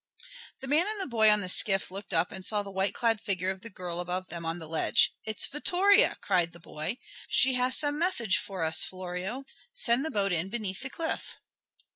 The man and boy on the skiff looked up and saw the white clad figure of the girl above them on the ledge. "It's Vittoria!" cried the boy. "She has some message for us, Florio. Send the boat in beneath the cliff."